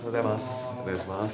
お願いします。